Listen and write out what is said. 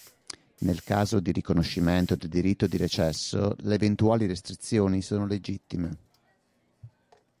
Nel caso di riconoscimento del diritto di recesso, le eventuali restrizioni sono legittime.